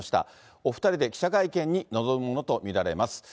お２人で記者会見に臨むものと見られます。